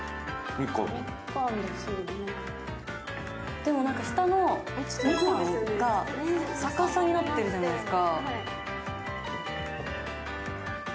でも下のみかんが逆さになってるじゃないですか。